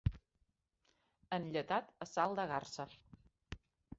Enllatat a salt de garsa.